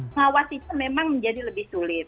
mengawasinya memang menjadi lebih sulit